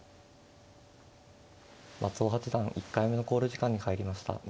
松尾八段１回目の考慮時間に入りました。